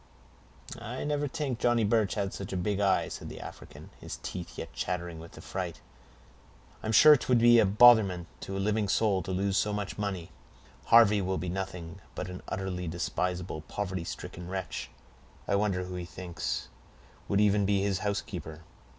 "I never t'ink Johnny Birch hab such a big eye!" said the African, his teeth yet chattering with the fright. "I'm sure 'twould be a botherment to a living soul to lose so much money. Harvey will be nothing but an utterly despisable, poverty stricken wretch. I wonder who he thinks would even be his housekeeper!"